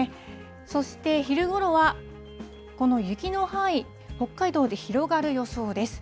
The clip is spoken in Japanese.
そして、昼ごろは、この雪の範囲、北海道で広がる予想です。